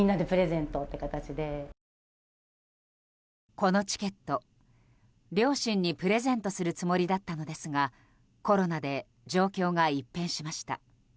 このチケット両親にプレゼントするつもりだったのですがコロナで状況が一変しました。